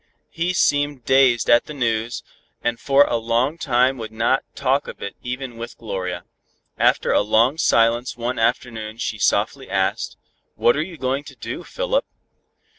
He seemed dazed at the news, and for a long time would not talk of it even with Gloria. After a long silence one afternoon she softly asked, "What are you going to do, Philip?"